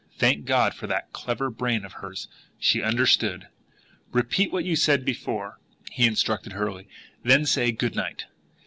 Thank God for that clever brain of hers! She understood! "Repeat what you said before, Jason," he instructed hurriedly. "Then say 'Good night.'"